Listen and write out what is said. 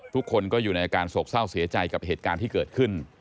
ทุกคนก็อยู่ในอาการโศกเศร้าเสียใจกับเหตุการณ์ที่เกิดขึ้น